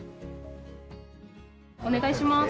お願いします。